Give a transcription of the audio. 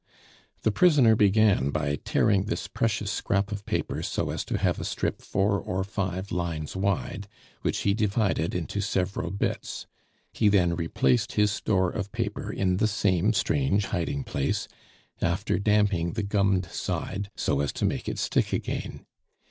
The prisoner began by tearing this precious scrap of paper so as to have a strip four or five lines wide, which he divided into several bits; he then replaced his store of paper in the same strange hiding place, after damping the gummed side so as to make it stick again.